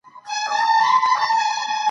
زيات کار کړي دی